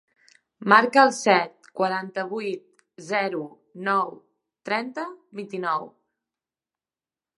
Marca el set, quaranta-vuit, zero, nou, trenta, vint-i-nou.